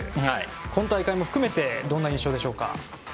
今大会も含めてどんな印象でしょうか？